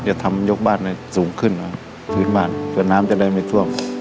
จะทำยกบ้านสูงขึ้นจนน้ำจะได้ไม่ท่วม